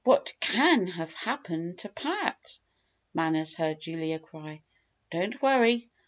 "What can have happened to Pat!" Manners heard Juliet cry. "Don't worry.